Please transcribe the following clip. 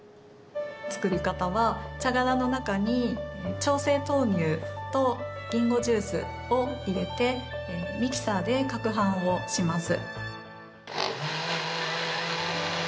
作り方は茶殻の中に調整豆乳とりんごジュースを入れてミキサーでかくはんをします。